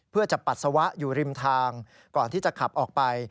เพื่อจะปัสสาวะอยู่ริมทางก่อนที่จะขับออกไป